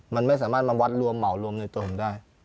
มันไม่สามารถมาวัดรวมเหมารวมในตัวผมได้